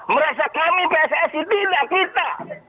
merasa kami pssi tidak kita